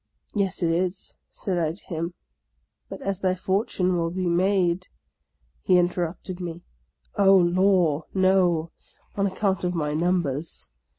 " Yes, it is," said I to him ;" but as thy fortune will be made —" He interrupted me. " Oh, law, no ! on account of my numbers